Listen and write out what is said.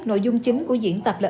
nội dung chính của diễn tập là